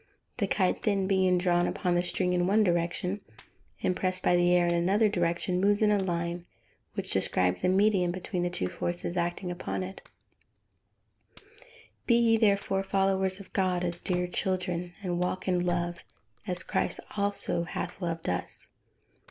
The kite then being drawn by the string in one direction, and pressed by the air in another direction, moves in a line which describes a medium between the two forces acting upon it. [Verse: "Be ye therefore followers of God, as dear children; and walk in love, as Christ also hath loved us."